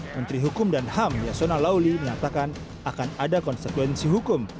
menteri hukum dan ham yasona lauli menyatakan akan ada konsekuensi hukum